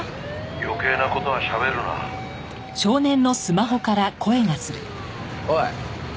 「余計な事は喋るな」おい。